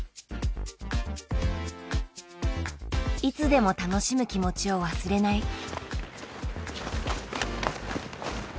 いつでも楽しむ気持ちを忘れない。